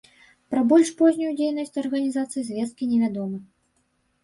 Пра больш познюю дзейнасць арганізацыі звесткі невядомы.